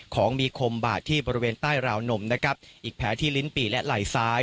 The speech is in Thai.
ของมีคมบาดที่บริเวณใต้ราวนมนะครับอีกแผลที่ลิ้นปี่และไหล่ซ้าย